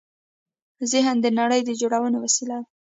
ذهن د نړۍ د جوړونې وسیله ده.